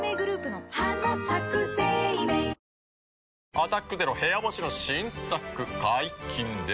「アタックＺＥＲＯ部屋干し」の新作解禁です。